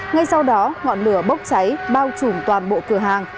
ngay sau đó ngọn lửa bốc cháy bao trùm toàn bộ cửa hàng